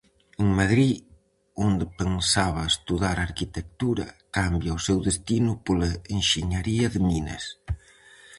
En Madrid, onde pensaba estudar Arquitectura, cambia o seu destino pola Enxeñería de Minas.